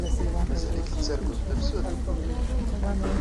Mazal-ik tettarguḍ tafsut?